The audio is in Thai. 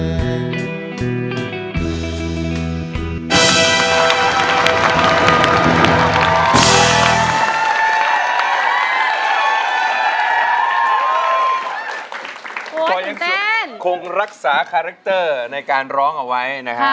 ก็ยังเต้นคงรักษาคาแรคเตอร์ในการร้องเอาไว้นะฮะ